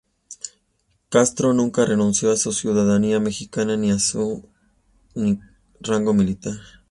Castro nunca renunció a su ciudadanía mexicana ni a su ni rango militar.